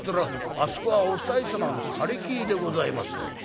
『あそこはお二人様の借り切りでございます』ってんだ。